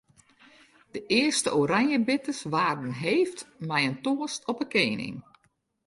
De earste oranjebitters waarden heefd mei in toast op 'e koaning.